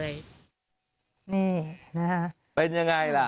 นี่นะคะเป็นยังไงล่ะ